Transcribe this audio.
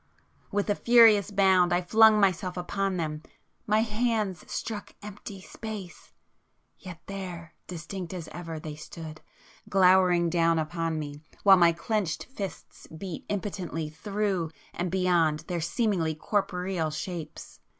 With a furious bound I flung myself upon them,—my hands struck empty space. Yet there—distinct as ever—they stood, glowering down upon me, while my clenched fists beat impotently through and beyond their seemingly corporeal shapes!